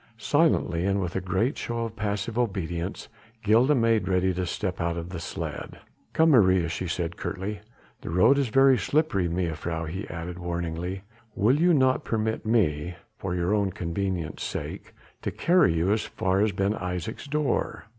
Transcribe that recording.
Silently, and with a great show of passive obedience, Gilda made ready to step out of the sledge. "Come, Maria," she said curtly. "The road is very slippery, mejuffrouw," he added warningly, "will you not permit me for your own convenience' sake to carry you as far as Ben Isaje's door?"